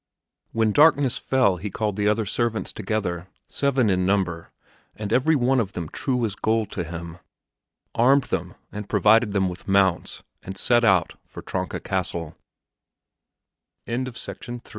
When darkness fell he called the other servants together, seven in number, and every one of them true as gold to him, armed them and provided them with mounts and set out for the Tronk